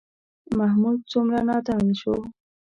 محمود څومره نادان شو.